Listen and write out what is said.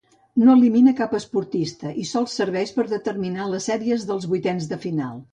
No elimina cap esportista i sols serveix per determinar les sèries dels vuitens de final.